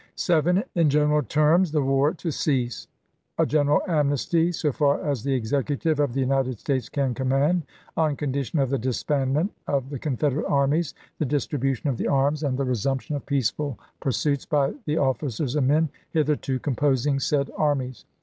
" 7. In general terms — the war to cease ; a gen eral amnesty, so far as the Executive of the United States can command, on condition of the disband ment of the Confederate armies, the distribution of the arms, and the resumption of peaceful pursuits by the officers and men hitherto composing said armies.